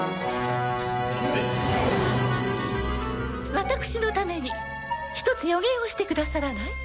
私のために一つ予言をしてくださらない？